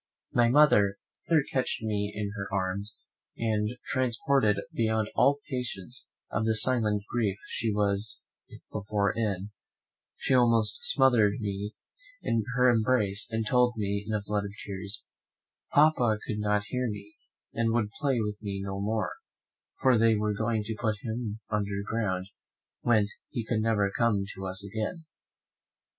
My mother catched me in her arms, and, transported beyond all patience of the silent grief she was before in, she almost smothered me in her embrace; and told me in a flood of tears, "Papa could not hear me, and would play with me no more, for they were going to put him under ground, whence he could never come to us again."